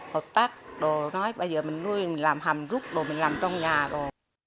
hợp tác đồ bây giờ mình nuôi làm hầm rút mình làm trong nhà đồ